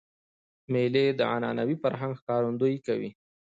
مېلې د عنعنوي فرهنګ ښکارندویي کوي.